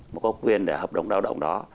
mà có quyền để hợp đồng lao động đó